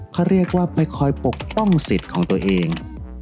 เขาเรียกว่าไปคอยปกป้องสิทธิ์ของตัวเอง